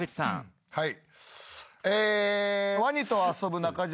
はい。